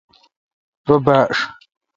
رو باݭ